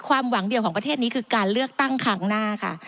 ความหวังเดียวของประเทศนี้คือการเลือกตั้งครั้งหน้าค่ะ